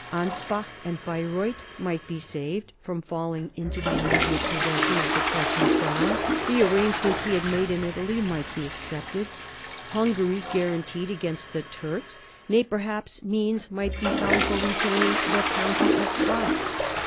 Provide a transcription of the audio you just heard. Anspach and Baireuth might be saved from falling into the immediate possession of the Prussian crown ; the arrangements he had made in Italy might be accepted; Hungary guaranteed against the Turks ; nay, perhaps means might be found for retaining the county of Glatz.